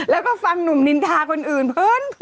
แล้วก็ฟังหนุ่มนินทาคนอื่นเพลิน